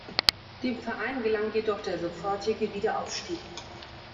Dem Verein gelang jedoch der sofortige Wiederaufstieg.